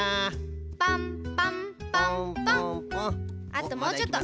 あともうちょっと。